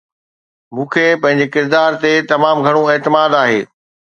مون کي پنهنجي ڪردار تي تمام گهڻو اعتماد آهي